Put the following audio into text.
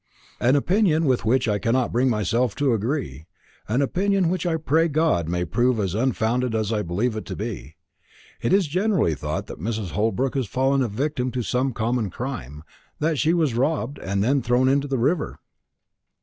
"An opinion with which I cannot bring myself to agree an opinion which I pray God may prove as unfounded as I believe it to be. It is generally thought that Mrs. Holbrook has fallen a victim to some common crime that she was robbed, and then thrown into the river."